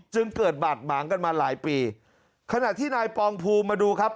จึงเกิดบาดหมางกันมาหลายปีขณะที่นายปองภูมิมาดูครับ